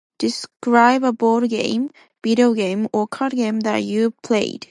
Describe a board game, video game, or card game that you've played.